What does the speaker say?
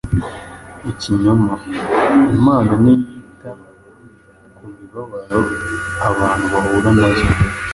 Ikinyoma: Imana ntiyita ku mibabaro abantu bahura na yo.